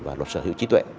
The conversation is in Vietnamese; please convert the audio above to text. và luật sở hữu trí tuệ